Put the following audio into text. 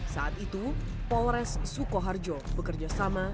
saat itu polres sukoharjo bekerja sama